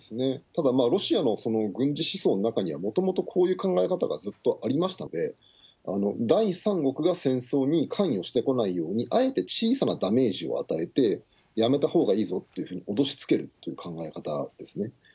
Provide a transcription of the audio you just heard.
ただロシアの軍事思想の中には、もともと、こういう考え方がずっとありましたので、第３国が戦争に関与してこないように、あえて小さなダメージを与えて、やめたほうがいいぞというふうに脅しつけるという考え方ですね。